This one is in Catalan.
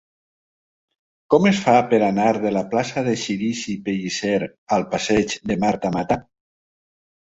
Com es fa per anar de la plaça de Cirici Pellicer al passeig de Marta Mata?